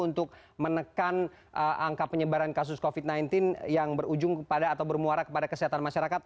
untuk menekan angka penyebaran kasus covid sembilan belas yang berujung kepada atau bermuara kepada kesehatan masyarakat